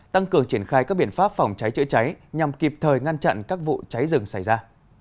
tăng cường triển khai các biện pháp phòng cháy chữa cháy nhằm kịp thời ngăn chặn các vụ cháy rừng xảy ra